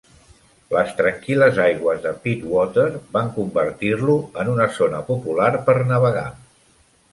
Les tranquil·les aigües de Pittwater van convertir-lo en una zona popular per navegar.